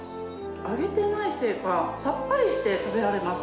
揚げてないせいか、さっぱりして食べられます。